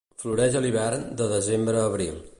Floreix a l'hivern de desembre a abril.